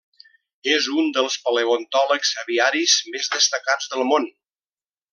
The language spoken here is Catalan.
És un dels paleontòlegs aviaris més destacats del món.